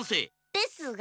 ですが。